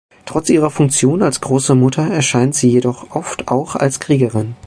Trotz ihrer Funktion als große Mutter erscheint sie jedoch oft auch als Kriegerin.